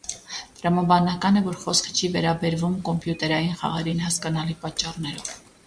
Տրամաբանական է, որ խոսքը չի վերաբերվում կոմպյուտերային խաղերին՝ հասկանալի պատճառներով։